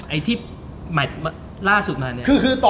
ไอ้ที่แมทล่าสุดมาเนี่ย